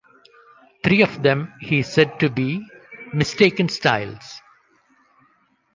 Three of them he said to be "mistaken styles".